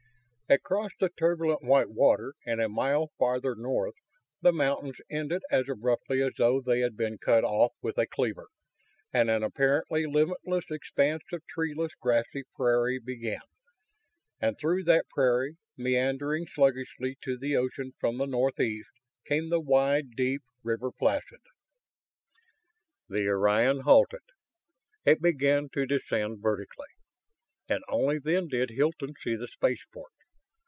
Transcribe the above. Across the turbulent Whitewater and a mile farther north, the mountains ended as abruptly as though they had been cut off with a cleaver and an apparently limitless expanse of treeless, grassy prairie began. And through that prairie, meandering sluggishly to the ocean from the northeast, came the wide, deep River Placid. The Orion halted. It began to descend vertically, and only then did Hilton see the spaceport.